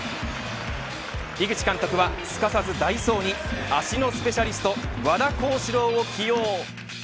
井口監督はすかさず代走に足のスペシャリスト和田康士朗を起用。